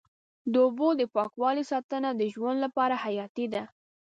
د اوبو د پاکوالي ساتنه د ژوند لپاره حیاتي ده.